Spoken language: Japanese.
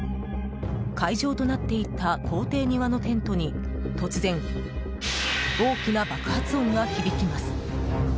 会場となっていた公邸庭のテントに突然、大きな爆発音が響きます。